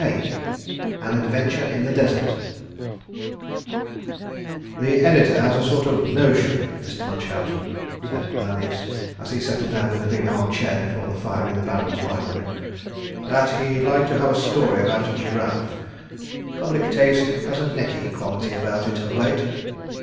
VIII AN ADVENTURE IN THE DESERT "The editor has a sort of notion, Mr. Munchausen," said Ananias, as he settled down in the big arm chair before the fire in the Baron's library, "that he'd like to have a story about a giraffe. Public taste has a necky quality about it of late."